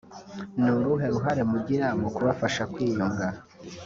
Ni uruhe ruhare mugira mu kubafasha kwiyunga